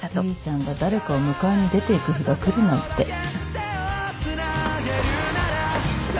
りりちゃんが誰かを迎えに出ていく日が来るなんて。